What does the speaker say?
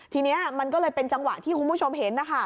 ทีนี้มันก็เลยเป็นจังหวะที่คุณผู้ชมเห็นนะคะ